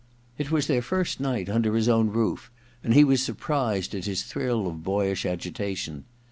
It was their first night under his own roof, and he was surprised at his thrill of boyish agitation.